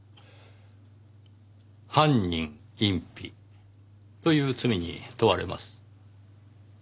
犯人隠避という罪に問われます。